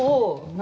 何？